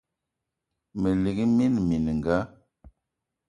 Me lik mina mininga